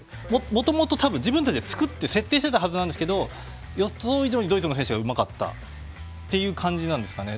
もともと自分たちが作って設定していたはずだったんですが予想以上にドイツの選手がうまかったという感じですかね。